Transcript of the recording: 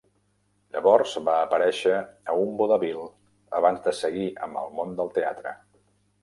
Llavors va aparèixer a un vodevil abans de seguir amb el món del teatre.